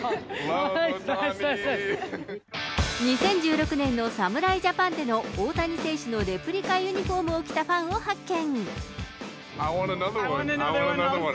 ２０１６年の侍ジャパンでの大谷選手のレプリカユニホームを着たファンを発見。